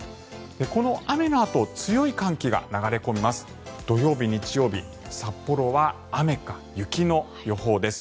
この雨のあと強い寒気が流れ込みます。